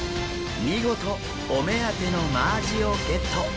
見事お目当てのマアジをゲット。